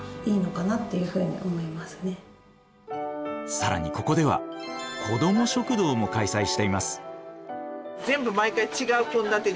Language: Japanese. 更にここでは子ども食堂も開催しています。